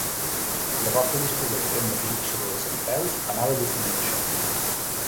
La vostra discussió d'aquest matí sobre els centpeus anava justament d'això.